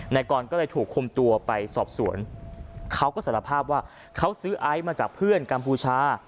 นายกรก็เลยถูกคุมตัวไปสอบสวนเขาก็สารภาพว่าเขาซื้อไอซ์มาจากเพื่อนกัมพูชา